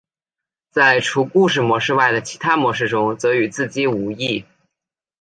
在除故事模式外的其他模式中则与自机无异。